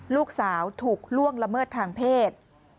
ลูกสาวถูกล่วงละเมิดทางเพศ